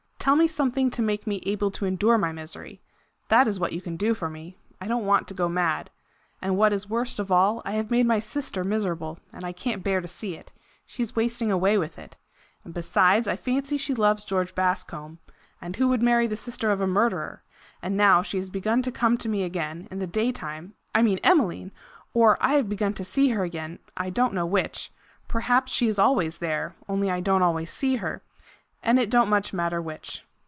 Tell me something to make me able to endure my misery. That is what you can do for me. I don't want to go mad. And what is worst of all, I have made my sister miserable, and I can't bear to see it. She is wasting away with it. And besides I fancy she loves George Bascombe and who would marry the sister of a murderer? And now she has begun to come to me again in the daytime I mean Emmeline! or I have begun to see her again I don't know which; perhaps she is always there, only I don't always see her and it don't much matter which.